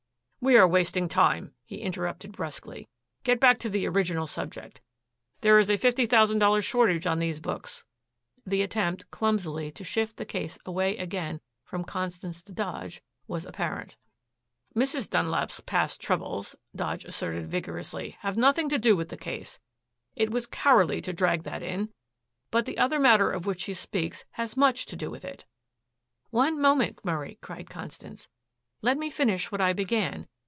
"We are wasting time," he interrupted brusquely. "Get back to the original subject. There is a fifty thousand dollar shortage on these books." The attempt clumsily to shift the case away again from Constance to Dodge was apparent. "Mrs. Dunlap's past troubles," Dodge asserted vigorously, "have nothing to do with the case. It was cowardly to drag that in. But the other matter of which she speaks has much to do with it." "One moment, Murray," cried Constance. "Let me finish what I began.